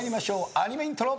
アニメイントロ。